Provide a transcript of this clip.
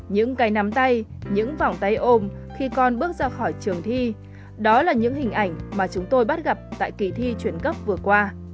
những cái nắm tay những vòng tay ôm khi con bước ra khỏi trường thi đó là những hình ảnh mà chúng tôi bắt gặp tại kỳ thi chuyển gấp vừa qua